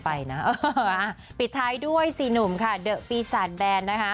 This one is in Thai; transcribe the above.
ไปนะปิดท้ายด้วยซีหนุ่มค่ะเดอะฟีสันแบรนด์นะคะ